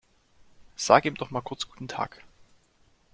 Sag ihm doch mal kurz guten Tag.